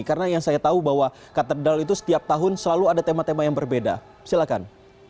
karena yang saya tahu bahwa katedral itu setiap tahun selalu ada tema tema yang berbeda silahkan